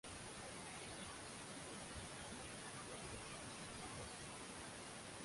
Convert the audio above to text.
Hakupata tabu kufungua nyumba ya Magreth kwa maana ilikuwa nyumba ya tope